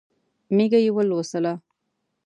مېږه یې ولوسله.